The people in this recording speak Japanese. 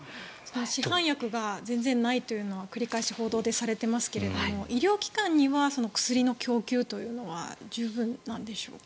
市販薬が全然ないというのは繰り返し報道でされていますが医療機関には薬の供給というのは十分なんでしょうか。